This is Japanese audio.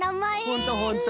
ほんとほんと。